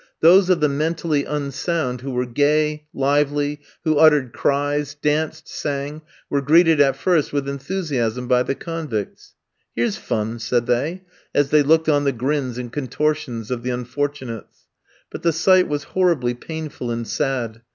Those of the mentally unsound who were gay, lively, who uttered cries, danced, sang, were greeted at first with enthusiasm by the convicts. "Here's fun!" said they, as they looked on the grins and contortions of the unfortunates. But the sight was horribly painful and sad.